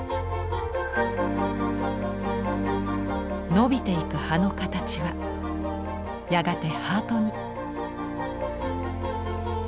伸びていく葉の形はやがてハートに。